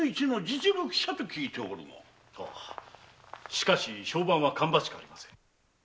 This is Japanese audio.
しかし評判は芳しくありません。